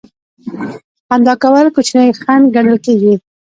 خندا کول کوچنی خنډ ګڼل کیږي.